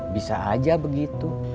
bisa aja begitu